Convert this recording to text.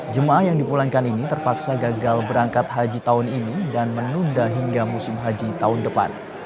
jemaah yang dipulangkan ini terpaksa gagal berangkat haji tahun ini dan menunda hingga musim haji tahun depan